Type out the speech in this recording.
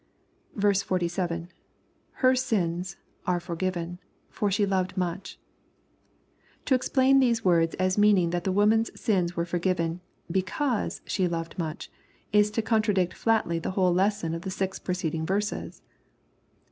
47. — [Her 9ins.^are forgiven j for she loved much,] To explain these words as meaning that the woman's sins were forgiven, because she loved much, is to contradict flatly the whole lesson of the six preceding verses.